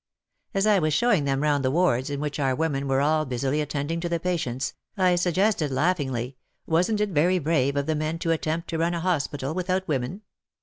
As I was showing them round the wards in which our women were all busily attending to the patients, I suggested laughingly, wasn't It very brave of the men to attempt to run a hospital without women